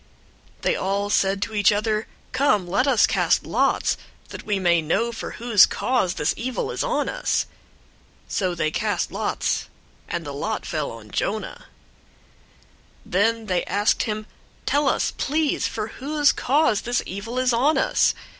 001:007 They all said to each other, "Come, let us cast lots, that we may know for whose cause this evil is on us." So they cast lots, and the lot fell on Jonah. 001:008 Then they asked him, "Tell us, please, for whose cause this evil is on us.